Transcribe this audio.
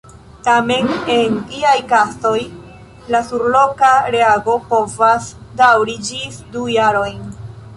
Tamen en iaj kazoj la surloka reago povas daŭri ĝis du jarojn.